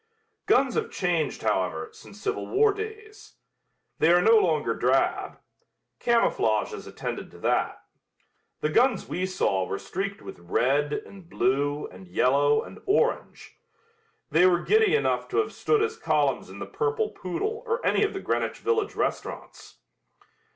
Guns have changed, however, since Civil War days. They are no longer drab. Camouflage has attended to that. The guns we saw were streaked with red and blue and yellow and orange. They were giddy enough to have stood as columns in the Purple Poodle or any of the Greenwich Village restaurants.